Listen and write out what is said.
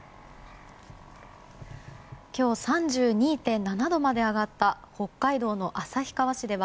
今日、３２．７度まで上がった北海道の旭川市では